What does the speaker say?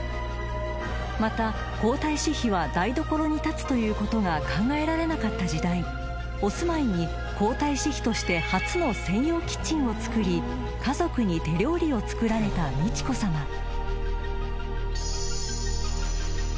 ［また皇太子妃は台所に立つということが考えられなかった時代お住まいに皇太子妃として初の専用キッチンをつくり家族に手料理を作られた美智子さま］